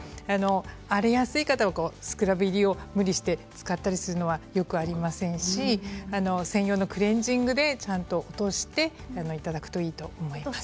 荒れやすい方はスクラブ入りを無理して使ったりするのはよくありませんし専用のクレンジングできちんと落としていただくといいと思います。